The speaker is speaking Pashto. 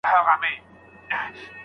ستونزي د پرمختګ لپاره دي.